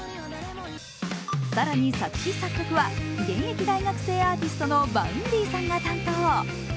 更に作詞作曲は現役大学生アーティストのＶａｕｎｄｙさんが担当。